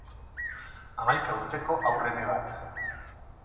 Hamaika urteko haur eme bat.